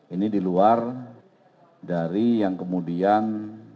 ini di luar dari yang kemudian